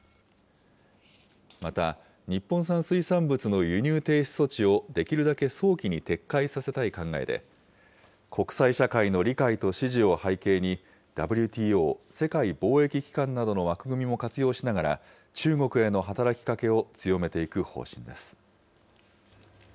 また、日本産水産物の輸入停止措置をできるだけ早期に撤回させたい考えで、国際社会の理解と支持を背景に、ＷＴＯ・世界貿易機関などの枠組みも活用しながら、中国への働きかけを強めていく方針です。